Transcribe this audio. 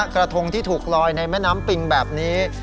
กระทงที่ถูกลอยในแม่น้ำปิงแบบนี้